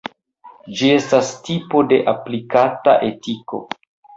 Ĝi estas tipo de aplikata etiko.